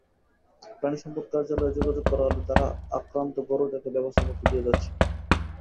প্রাণিসম্পদ কার্যালয়ে যোগাযোগ করা হলে তারা আক্রান্ত গরু দেখে ব্যবস্থাপত্র দিয়ে যাচ্ছে।